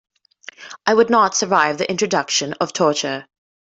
It would not survive the introduction of torture.